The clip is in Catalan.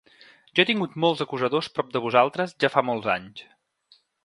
Jo he tingut molts acusadors prop de vosaltres ja fa molts anys.